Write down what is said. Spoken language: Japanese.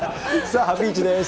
さあ、ハピイチです。